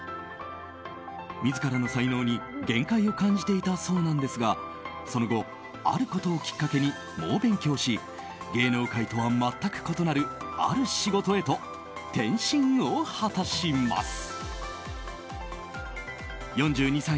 自らの才能に限界を感じていたそうなんですがその後、あることをきっかけに猛勉強し芸能界とは全く異なるある仕事へと転身を果たします。